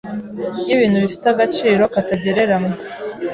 nk’ibintu bifite agaciro katagereranywa.